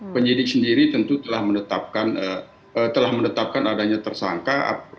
penyidik sendiri tentu telah menetapkan adanya tersangka dalam perkembangan korban